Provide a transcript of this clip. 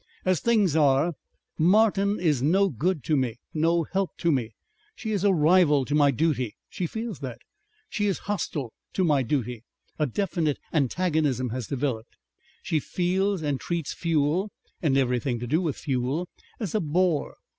As things are, Martin is no good to me, no help to me. She is a rival to my duty. She feels that. She is hostile to my duty. A definite antagonism has developed. She feels and treats fuel and everything to do with fuel as a bore.